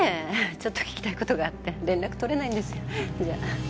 ちょっと聞きたいことがあって連絡取れないんですよ。